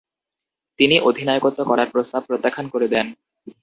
তিনি অধিনায়কত্ব করার প্রস্তাব প্রত্যাখ্যান করে দেন।